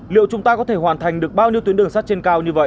liệu chúng ta có thể hoàn thành được bao nhiêu tuyến đường sắt trên cao như vậy